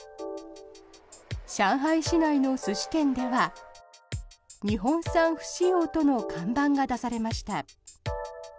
上海市内の寿司店では日本産不使用との看板が出されました。